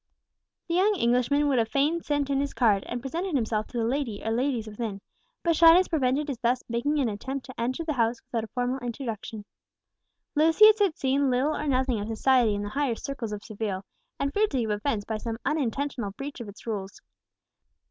The young Englishman would fain have sent in his card, and presented himself to the lady or ladies within, but shyness prevented his thus making an attempt to enter the house without a formal introduction. Lucius had seen little or nothing of society in the higher circles of Seville, and feared to give offence by some unintentional breach of its rules.